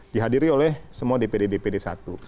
dihadiri oleh semua dpd dpd satu